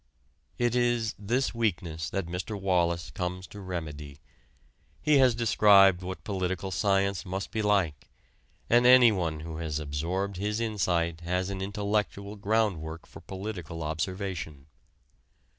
It is this weakness that Mr. Wallas comes to remedy. He has described what political science must be like, and anyone who has absorbed his insight has an intellectual groundwork for political observation.